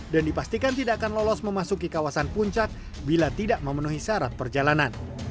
dan dipastikan tidak akan lolos memasuki kawasan puncak bila tidak memenuhi syarat perjalanan